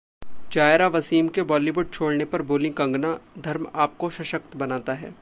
जायरा वसीम के बॉलीवुड छोड़ने पर बोलीं कंगना, 'धर्म आपको सशक्त बनाता है'